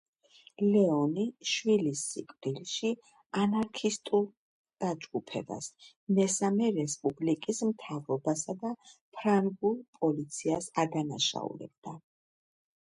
ლეონი შვილის სიკვდილში ანარქისტულ დაჯგუფებას, მესამე რესპუბლიკის მთავრობასა და ფრანგულ პოლიციას ადანაშაულებდა.